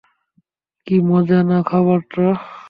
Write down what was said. কী মজা না খাবারটা?